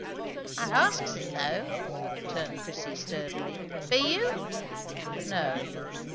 "I asks it though," returned Prissy sturdily. "Be you?" "No."